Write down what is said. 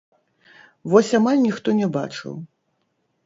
Вось амаль ніхто не бачыў.